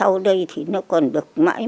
ừ thì để